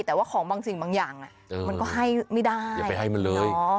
แต่ว่าของบางสิ่งบางอย่างมันก็ให้ไม่ได้อย่าไปให้มันเลย